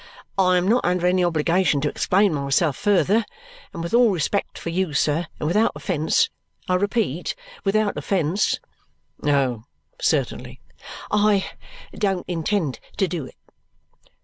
I am not under any obligation to explain myself further; and with all respect for you, sir, and without offence I repeat, without offence " "Oh, certainly!" " I don't intend to do it."